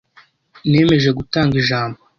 Nemeje gutanga ijambo.